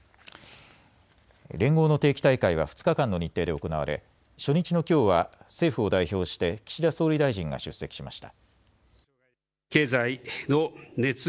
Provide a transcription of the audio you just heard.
連合の定期大会は２日間の日程で行われ初日のきょうは政府を代表して岸田総理大臣が出席しました。